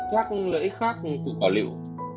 các lợi ích khác của quả liệu